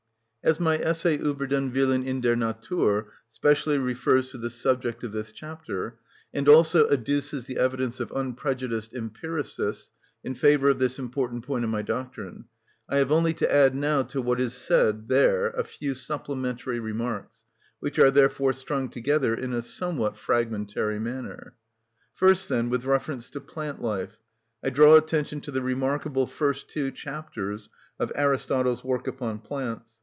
As my essay, "Ueber den Willen in der Natur," specially refers to the subject of this chapter, and also adduces the evidence of unprejudiced empiricists in favour of this important point of my doctrine, I have only to add now to what is said there a few supplementary remarks, which are therefore strung together in a somewhat fragmentary manner. First, then, with reference to plant life, I draw attention to the remarkable first two chapters of Aristotle's work upon plants.